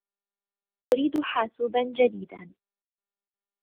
أريد حاسوبا جديدا.